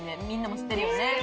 みんなも知ってるよね？